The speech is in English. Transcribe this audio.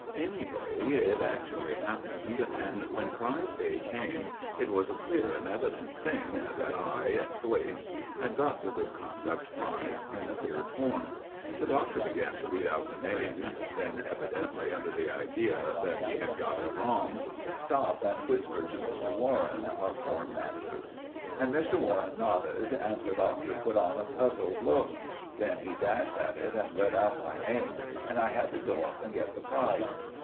Anyway, it actually happened, and when prize day came, it was a clear and evident thing that I, Thwaites, had got the Good Conduct Prize in the third form. The Doctor began to read out the name; then, evidently under the idea that he had got it wrong, stopped and whispered to Mr. Warren, our form master; and Mr. Warren nodded, and the Doctor put on a puzzled look. Then he dashed at it and read out my name, and I had to go up and get the prize.